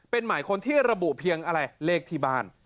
เป็นหมายคนที่ระบุเพียงอะไรเลขที่บ้าน